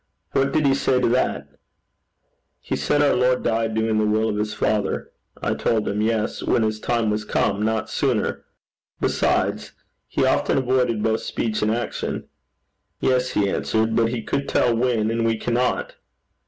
'What did he say to that?' 'He said our Lord died doing the will of his Father. I told him "Yes, when his time was come, not sooner. Besides, he often avoided both speech and action." "Yes," he answered, "but he could tell when, and we cannot."